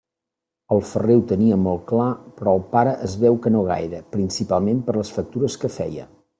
El ferrer ho tenia molt clar, però el pare es veu que no gaire, principalment per les factures que feia.